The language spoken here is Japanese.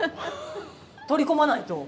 取り込まないと。